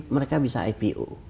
mereka bisa ipo